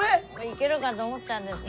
いけるかと思ったんです。